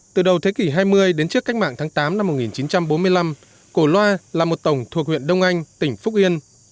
từ đầu thế kỷ hai mươi đến trước cách mạng tháng tám năm một nghìn chín trăm bốn mươi năm cổ loa là một tổng thuộc huyện đông anh tỉnh phúc yên